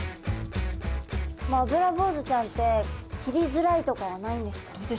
アブラボウズちゃんって切りづらいとかはないんですか？